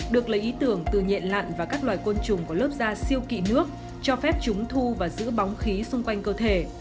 được lấy ý tưởng từ nhện lặn và các loài côn trùng của lớp da siêu kị nước cho phép chúng thu và giữ bóng khí xung quanh cơ thể